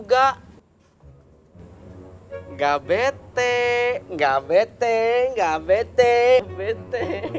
gue lagi berantem sama si tati